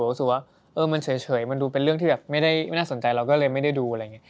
เราก็แบบว่ามันเฉยดูเป็นเรื่องที่ไม่น่าสนใจเราก็เลยไม่ได้ดูอะไรแบบเนี่ย